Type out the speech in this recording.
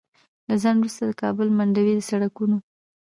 له ځنډ وروسته د کابل منډوي د سړکونو